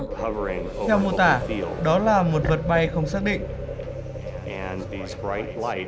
theo mô tả đó là một vật bay không xác định